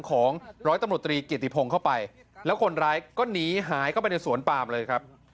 ของร้อยตำรวจตรีเกียรติพงศ์เข้าไปแล้วคนร้ายก็หนีหายเข้าไปในสวนปามเลยครับ